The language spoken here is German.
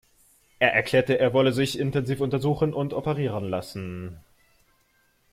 Er erklärte, er wolle sich intensiv untersuchen und operieren lassen.